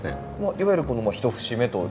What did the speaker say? いわゆる１節目